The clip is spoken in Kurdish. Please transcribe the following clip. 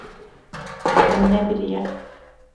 Min nebiriye.